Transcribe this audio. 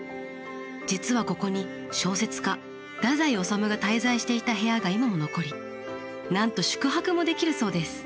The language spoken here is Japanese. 実はここに小説家太宰治が滞在していた部屋が今も残りなんと宿泊もできるそうです。